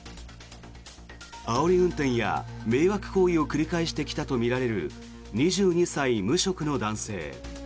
あおり運転や迷惑行為を繰り返してきたとみられる２２歳、無職の男性。